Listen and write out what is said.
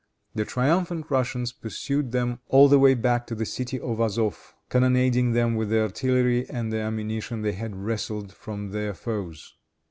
The triumphant Russians pursued them all the way back to the city of Azof, cannonading them with the artillery and the ammunition they had wrested from their foes.